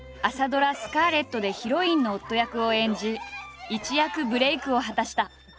ドラ「スカーレット」でヒロインの夫役を演じ一躍ブレークを果たした。